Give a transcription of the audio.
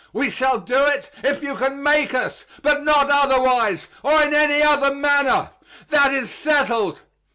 We shall do it, if you can make us; but not otherwise, or in any other manner. That is settled.